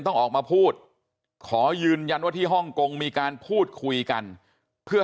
ต้องออกมาพูดขอยืนยันว่าที่ฮ่องกงมีการพูดคุยกันเพื่อ